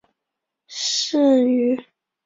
基于细胞的免疫疗法对一些癌症有效。